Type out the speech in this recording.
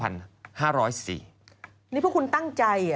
นี่พวกคุณตั้งใจ